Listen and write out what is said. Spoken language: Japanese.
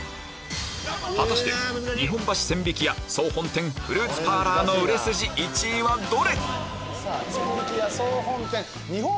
果たして日本橋千疋屋総本店フルーツパーラーの売れ筋１位はどれ？